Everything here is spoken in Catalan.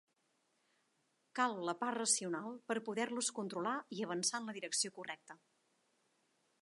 Cal la part racional per poder-los controlar i avançar en la direcció correcta.